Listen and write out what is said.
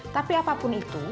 tapi apapun itu